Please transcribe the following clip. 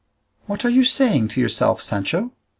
"What are you saying to yourself, Sancho?"